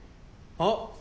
あっ。